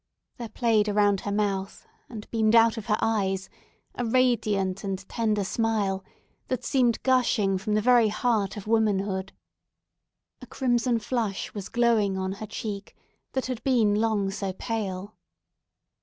There played around her mouth, and beamed out of her eyes, a radiant and tender smile, that seemed gushing from the very heart of womanhood. A crimson flush was glowing on her cheek, that had been long so pale.